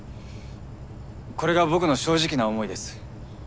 これが僕の正直な思いです。